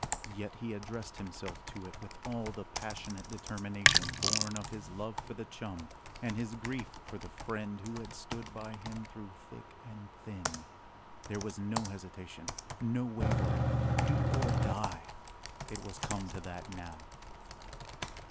Yet he addressed himself to it with all the passionate determination born of his love for the chum and his grief for the friend who had stood by him "through thick and thin." There was no hesitation, no wavering. "Do or die!" It was come to that now.